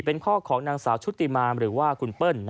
เป็นพ่อของนางสาวชุติมามหรือว่าคุณเปิ้ล